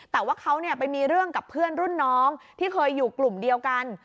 แต่ว่าเขาไปมีเรื่องกับเพื่อนรุ่นน้องที่เคยอยู่กลุ่มเดียวกัน